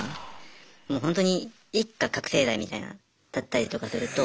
もうほんとに一家覚醒剤みたいなだったりとかすると。